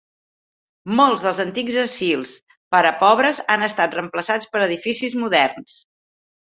Molts dels antics asils per a pobres han estat reemplaçats per edificis moderns.